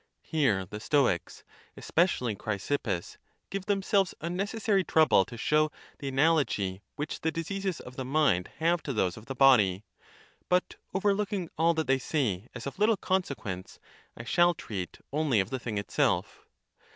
Here the Stoics, especially Chrysippus, give themselves unnecessary trouble to show the analogy which the diseases of the mind have to those of the body: but, overlooking all that they say as of little consequence, I shall treat only of the thing itself.